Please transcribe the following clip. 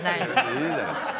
いいじゃないですか。